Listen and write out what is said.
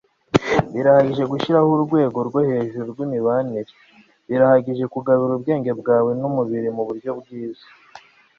birahagije gushiraho urwego rwo hejuru rwimibanire. birahagije kugaburira ubwenge bwawe numubiri muburyo bwiza